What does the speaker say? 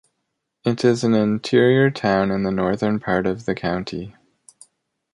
It is an interior town in the northern part of the county.